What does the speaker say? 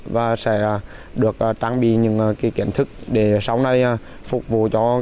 và sẽ được trang bị những kiến thức để sau này phục vụ cho quá trình học tập lâu dài hơn nữa